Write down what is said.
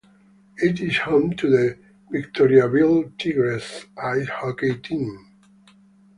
It is home to the Victoriaville Tigres ice hockey team.